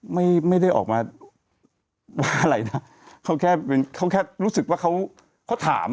ไม่ได้ออกมาว่าอะไรนะเขาแค่เป็นเขาแค่รู้สึกว่าเขาเขาถาม